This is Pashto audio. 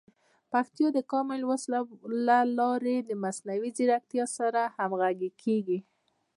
پښتو د کامن وایس له لارې د مصنوعي ځیرکتیا سره همغږي کیږي.